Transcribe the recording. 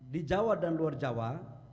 di jawa dan luar jawa